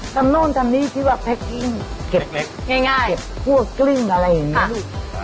ทำโน้นทำนี่คิดว่าแพ็คกิ้งเก็บขั้วกลึ่งอะไรอย่างนี้